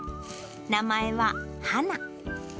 名前は、ハナ。